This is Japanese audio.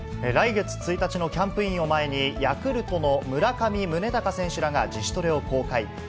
来月１日のキャンプインを前に、ヤクルトの村上宗隆選手らが自主トレを公開。